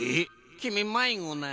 きみまいごなの？